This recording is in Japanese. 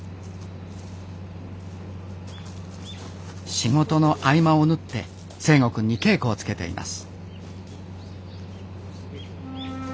仕事の合間を縫って誠心くんに稽古をつけています